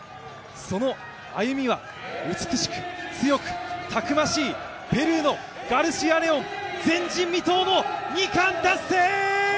その歩みは美しく、強く、たくましい、ペルーのガルシア・レオン、前人未到の２冠達成！